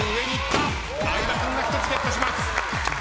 相葉君が１つゲットします。